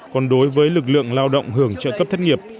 còn đối với lực lượng lao động hưởng trợ cấp thất nghiệp